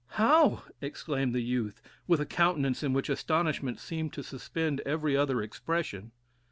"How!" exclaimed the youth, with a countenance in which astonishment seemed to suspend every other expression.